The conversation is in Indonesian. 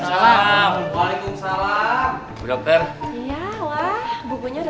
kalau begitu kita permisi dulu pak mun